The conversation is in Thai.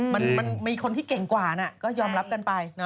มันมีคนที่เก่งกว่านะก็ยอมรับกันไป